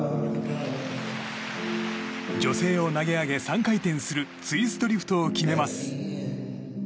女性を投げ上げ３回転するツイストリフトを決めます。